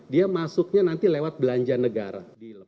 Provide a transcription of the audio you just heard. dia masuknya nanti lewat belanja negara